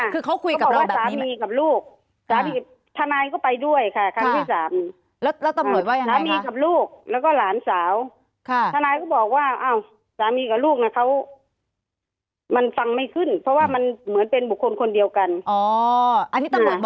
คือเขาคุยกับเราแบบนี้ไหม